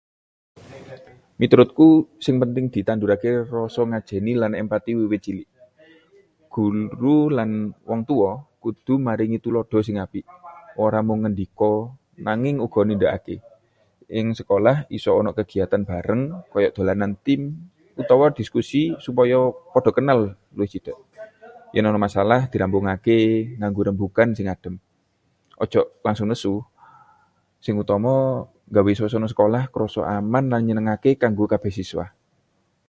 Miturutku, sing penting ditandurke rasa ngajeni lan empati wiwit cilik. Guru lan wong tuwa kudu maringi tuladha sing apik, ora mung ngendika nanging uga nindakake. Ing sekolah isa ana kegiyatan bareng kaya dolanan tim utawa diskusi supaya padha kenal luwih cedhak. Yen ana masalah, dirampungke nganggo rembugan sing adem, aja langsung nesu. Sing utama, nggawe swasana sekolah krasa aman lan nyenengke kanggo kabeh siswa.